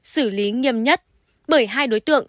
xử lý nghiêm nhất bởi hai đối tượng